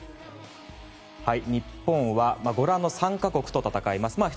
日本はご覧の３か国と戦います。